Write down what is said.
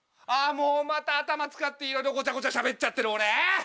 もうまた頭使っていろいろごちゃごちゃしゃべっちゃってる俺！